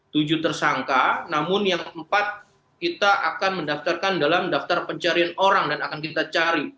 tujuh tersangka namun yang empat kita akan mendaftarkan dalam daftar pencarian orang dan akan kita cari